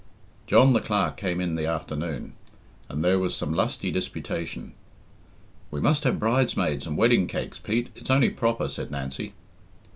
John the Clerk came in the afternoon, and there was some lusty disputation. "We must have bridesmaids and wedding cakes, Pete it's only proper," said Nancy.